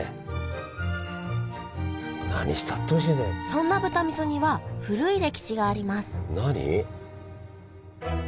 そんな豚味噌には古い歴史があります何？